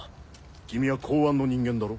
君は公安の人間だろ？